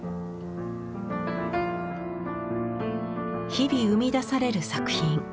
日々生み出される作品。